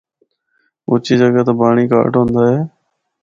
اُچی جگہ تے پانڑی گہٹ ہوندا اے۔